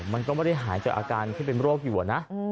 มันก็ไม่ได้หายจากอาการที่เป็นโรคอยู่นะ